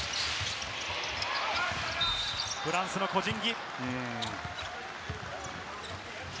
フランスの個人技。